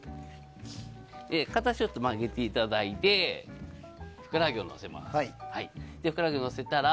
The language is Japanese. ちょっと曲げていただいてふくらはぎを乗せます。